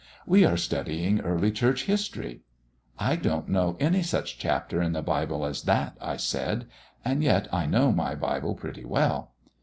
'We are studying early church history.' 'I don't know any such chapter in the Bible as that,' I said, and yet I know my Bible pretty well.